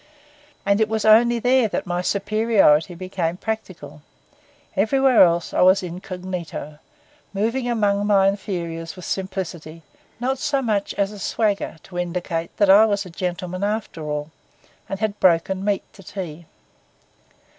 And it was only there that my superiority became practical; everywhere else I was incognito, moving among my inferiors with simplicity, not so much as a swagger to indicate that I was a gentleman after all, and had broken meat to tea.